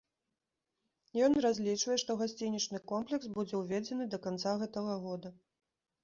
Ён разлічвае, што гасцінічны комплекс будзе ўведзены да канца гэтага года.